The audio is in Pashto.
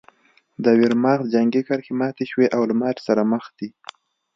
د ویرماخت جنګي کرښې ماتې شوې او له ماتې سره مخ دي